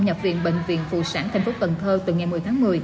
nhập viện bệnh viện phụ sản tp hcm từ ngày một mươi tháng một mươi